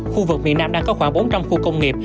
khu vực miền nam đang có khoảng bốn trăm linh khu công nghiệp